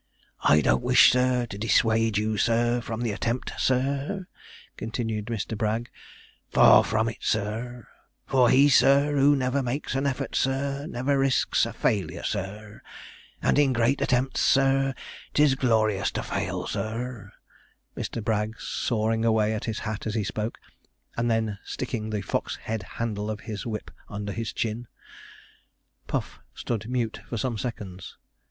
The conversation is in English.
'I don't wish, sir, to dissuade you, sir, from the attempt, sir,' continued Mr. Bragg; 'far from it, sir for he, sir, who never makes an effort, sir, never risks a failure, sir, and in great attempts, sir, 'tis glorious to fail, sir'; Mr. Bragg sawing away at his hat as he spoke, and then sticking the fox head handle of his whip under his chin. Puff stood mute for some seconds.